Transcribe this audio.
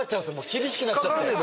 厳しくなっちゃって。